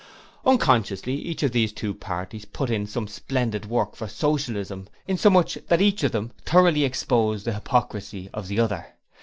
Unconsciously each of these two parties put in some splendid work for Socialism, in so much that each of them thoroughly exposed the hypocrisy of the other.